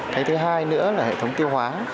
cái thứ hai nữa là hệ thống tiêu hóa